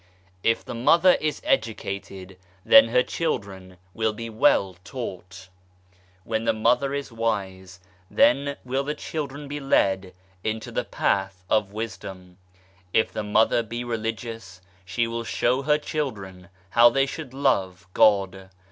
If the Mother is educated then her children will be well taught. When the Mother is wise, then will the children EQUALITY OF SEX 151 be led into the path of wisdom. If the Mother be religious she will show her children how they should love God.